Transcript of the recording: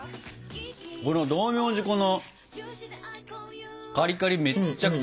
この道明寺粉のカリカリめっちゃくちゃ合いますね。